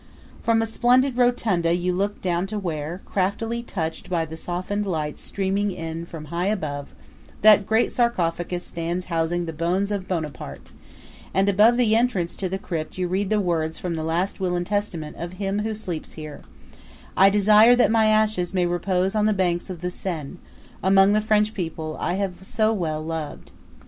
From a splendid rotunda you look down to where, craftily touched by the softened lights streaming in from high above, that great sarcophagus stands housing the bones of Bonaparte; and above the entrance to the crypt you read the words from the last will and testament of him who sleeps here: "I desire that my ashes may repose on the banks of the Seine, among the French people I have so well loved."